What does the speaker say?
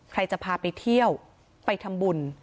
ใครจะพาไปเที่ยวไปทำบุญ